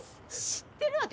知ってるわ！